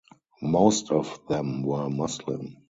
Most of them were Muslim.